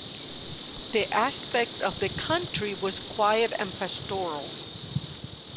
The aspect of the country was quiet and pastoral.